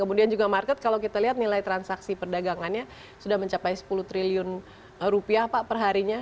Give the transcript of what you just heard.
kemudian juga market kalau kita lihat nilai transaksi perdagangannya sudah mencapai sepuluh triliun rupiah pak perharinya